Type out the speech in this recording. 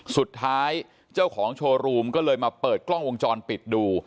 สุดท้ายเจ้าของโชว์รูมก็เลยมาเปิดกล้องวงจรปิดดู